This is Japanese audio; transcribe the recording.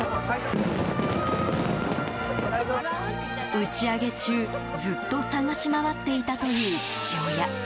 打ち上げ中ずっと捜し回っていたという父親。